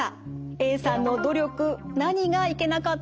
Ａさんの努力何がいけなかったんでしょうか？